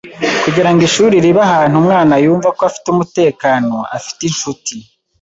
kugira ngo ishuri ribe ahantu umwana yumva ko afite umutekano, afite inshuti